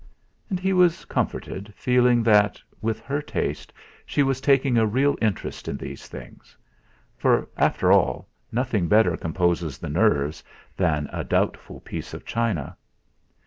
And he was comforted, feeling that, with her taste, she was taking a real interest in these things; for, after all, nothing better composes the nerves than a doubtful piece of china.